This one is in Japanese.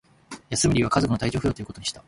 休む理由は、家族の体調不良ということにした